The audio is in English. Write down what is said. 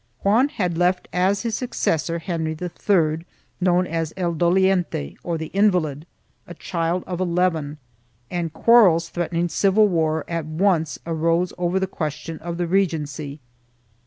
3 Juan had left as his successor Henry III, known as El Doliente, or the Invalid, a child of eleven, and quarrels threatening civil war at once arose over the question of the regency.